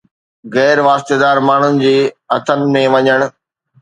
غير واسطيدار ماڻهن جي هٿن ۾ وڃڻ